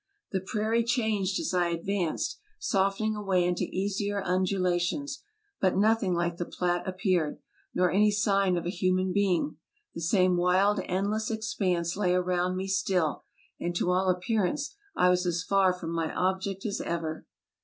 The prairie changed as I advanced, soften ing away into easier undulations, but nothing like the Platte appeared, nor any sign of a human being; the same wild, endless expanse lay around me still, and to all appearance I was as far from my object as ever.